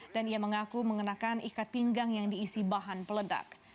dan ia mengaku mengenakan ikat pinggang yang diisi bahan peledak